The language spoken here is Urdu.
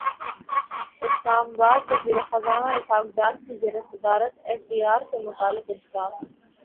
اسلام اباد وزیر خزانہ اسحاق ڈار کی زیر صدارت ایف بی ار سے متعلق اجلاس